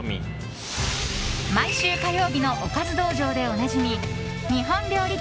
毎週火曜日のおかず道場でおなじみ日本料理店